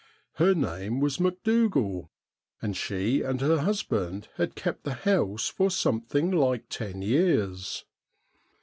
Her name was Macdougal, and she and her husband had kept the house for something like ten years.